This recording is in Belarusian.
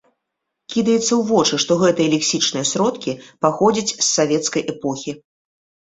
Кідаецца ў вочы, што гэтыя лексічныя сродкі паходзяць з савецкай эпохі.